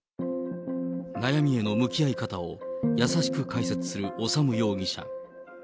悩みへの向き合い方を優しく解説する修容疑者。